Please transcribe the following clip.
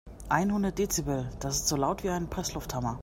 Einhundert Dezibel, das ist so laut wie ein Presslufthammer.